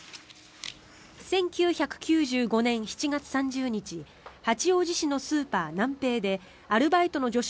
１９９５年７月３０日八王子市のスーパーナンペイでアルバイトの女子